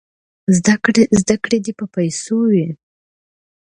زدهکړې دې په پښتو وي.